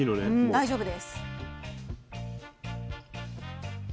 大丈夫です。